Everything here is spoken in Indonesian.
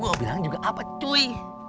gua bilang juga apet cuy